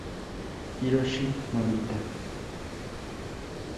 Hiroshi Morita